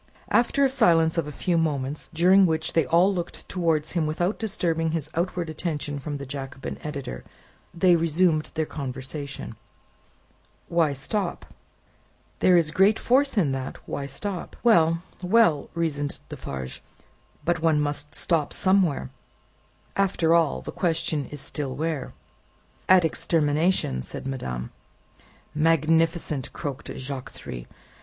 After a silence of a few moments, during which they all looked towards him without disturbing his outward attention from the Jacobin editor, they resumed their conversation. "It is true what madame says," observed Jacques Three. "Why stop? There is great force in that. Why stop?" "Well, well," reasoned Defarge, "but one must stop somewhere. After all, the question is still where?" "At extermination," said madame. "Magnificent!" croaked Jacques Three.